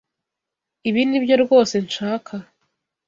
Ibi nibyo rwose nshaka.